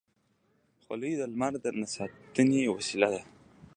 خولۍ د لمر نه د ساتنې وسیله ده.